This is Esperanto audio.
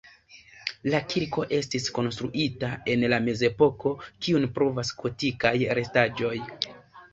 La kirko estis konstruita en la mezepoko, kiun pruvas gotikaj restaĵoj.